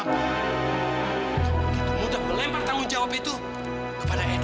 kamu begitu mudah melempar tanggung jawab itu kepada edo